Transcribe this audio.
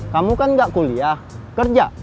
kamu kan gak kuliah kerja